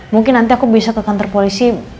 mungkin nanti aku bisa ke kantor polisi